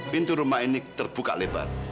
pintu rumah ini terbuka lebar